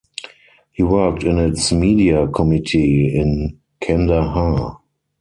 He worked in its media committee in Kandahar.